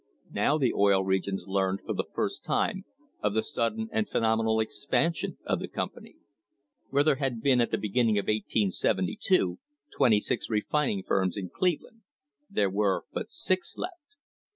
Now the Oil Regions learned for the first time of the sudden and phenomenal expansion of the company. Where there had been at the beginning of 1872 twenty six refining firms in Cleve land, there were but six left.